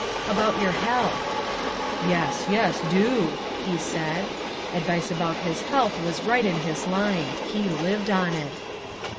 "About your health." "Yes, yes, do," he said. Advice about his health was right in his line. He lived on it.